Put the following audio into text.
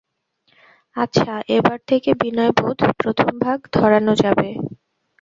আচ্ছা, এবার থেকে বিনয়বোধ প্রথম ভাগ ধরানো যাবে।